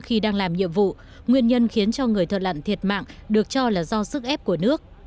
khi đang làm nhiệm vụ nguyên nhân khiến cho người thợ lặn thiệt mạng được cho là do sức ép của nước